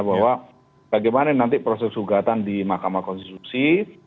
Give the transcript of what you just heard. bahwa bagaimana nanti proses gugatan di mahkamah konstitusi